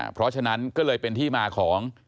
เพราะฉะนั้นก็เลยเป็นที่มาของ